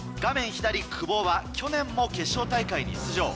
左久保は去年も決勝大会に出場。